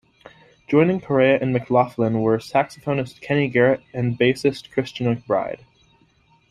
Joining Corea and McLaughlin were saxophonist Kenny Garrett and bassist Christian McBride.